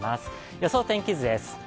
予想天気図です。